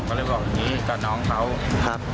มีประวัติศาสตร์ที่สุดในประวัติศาสตร์